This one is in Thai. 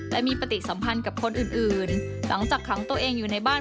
และมีปฏิสัมพันธ์กับคนอื่นหลังจากขังตัวเองอยู่ในบ้าน